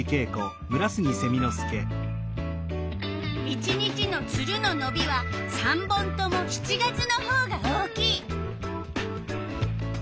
１日のツルののびは３本とも７月のほうが大きい。